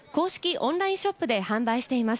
オンラインショップで販売しています。